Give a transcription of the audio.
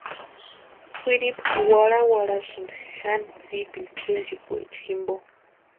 Kwʼiripu warhawarhasïnti xani tsipini kwʼinchikwaecha jimpo.